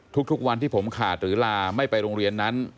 ทุกวันที่ผมขาดหรือลาไม่ไปโรงเรียนนั้น